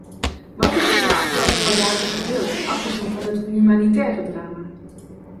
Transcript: Wat is er in de afgelopen paar dagen gebeurd, afgezien van het humanitaire drama?